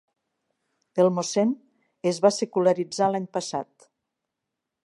El mossèn es va secularitzar l'any passat.